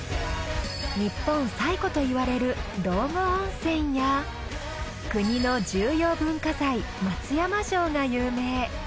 日本最古といわれる道後温泉や国の重要文化財松山城が有名。